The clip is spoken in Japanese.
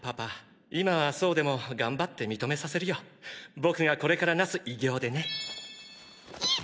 僕がこれから成す偉業でねっ！